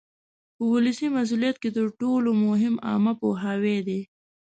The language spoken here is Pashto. په ولسي مسؤلیت کې تر ټولو مهم عامه پوهاوی دی.